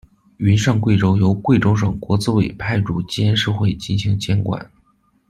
云上贵州由贵州省国资委派驻监事会进行监管。